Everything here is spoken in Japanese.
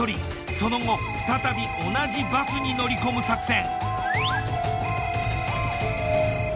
その後再び同じバスに乗り込む作戦。